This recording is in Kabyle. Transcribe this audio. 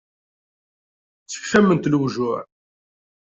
Sexcawten-t lewjuɛ.